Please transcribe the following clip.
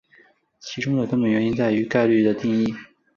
其中的根本原因在于概率的定义。